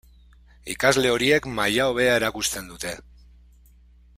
Ikasle horiek maila hobea erakusten dute.